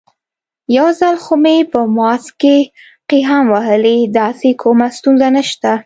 یو ځل خو مې په ماسک کې قی هم وهلی، داسې کومه ستونزه نشته.